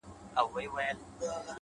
مثبت ذهن د ستونزو تر شا حل ویني’